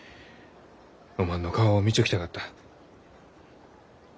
おまんの顔を見ちょきたかった。